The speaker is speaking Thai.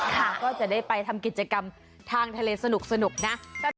ก็จะได้ไปทำกิจกรรมทางทะเลสนุกนะ